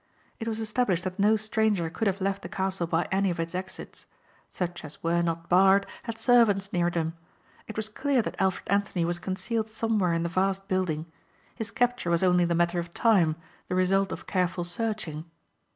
It was established that no stranger could have left the castle by any of its exits. Such as were not barred had servants near them. It was clear that Alfred Anthony was concealed somewhere in the vast building. His capture was only the matter of time, the result of careful searching.